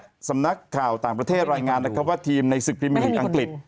นี่ฮะสำนักข่าวต่างประเทศรายงานว่าทีมในศึกปรีเมอร์หลีกอังกฤษ